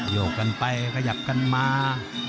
ยกกันไปกระหยับกันมา